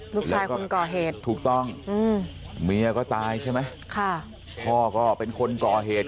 ลูกชายคนก่อเหตุถูกต้องอืมเมียก็ตายใช่ไหมค่ะพ่อก็เป็นคนก่อเหตุ